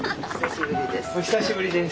お久しぶりです。